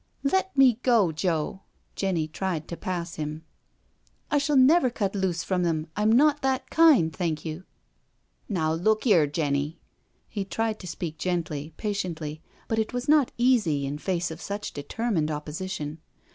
" Let me go, Joe.'* Jenny tried ta>pass him. " I shall never cut loose from them—I'm not that kind^ thank you." " Now look 'ere, Jenny." He tried to speak gently, patiently, but it was not easy in face of such deter mined opposition.